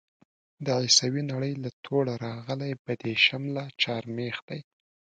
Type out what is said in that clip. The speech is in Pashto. د عيسوي نړۍ له توړه راغلی بدېشم لا چهارمېخ دی.